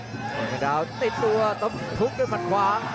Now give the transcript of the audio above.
กองเชียงเดาติดตัวหุบทุกษ์ด้วยมันขวา